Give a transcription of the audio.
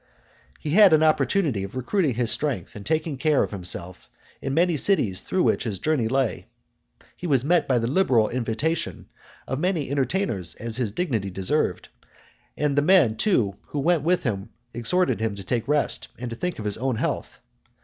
He had an opportunity of recruiting his strength and taking care of himself in many cities through which his journey lay. He was met by the liberal invitation of many entertainers as his dignity deserved, and the men too who were sent with him exhorted him to take rest, and to think of his own health.